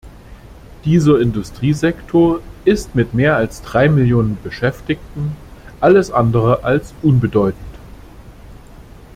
Dieser Industriesektor ist mit mehr als drei Millionen Beschäftigten alles andere als unbedeutend.